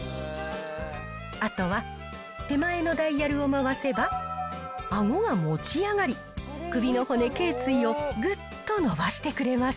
あとは手前のダイヤルを回せば、あごが持ち上がり、首の骨、けい椎をぐっと伸ばしてくれます。